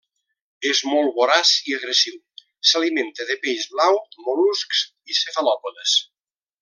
És molt voraç i agressiu, s'alimenta de peix blau, mol·luscs i cefalòpodes.